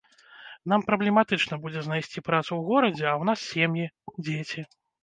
Нам праблематычна будзе знайсці працу ў горадзе, а ў нас сем'і, дзеці.